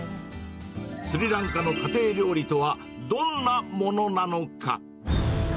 スリランカの家庭料理とは、どんなものなのか。